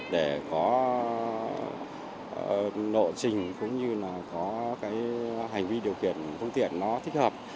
để có nộ trình cũng như là có hành vi điều kiện không tiện nó thích hợp